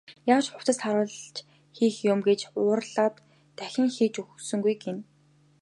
Яаж хувцас тааруулж хийх юм гэж уурлаад дахин хийж өгсөнгүй гэнэ.